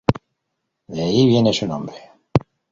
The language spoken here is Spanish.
De ahí viene su nombre.